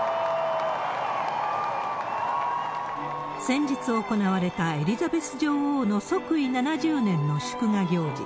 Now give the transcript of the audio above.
先日、行われたエリザベス女王の即位７０年の祝賀行事。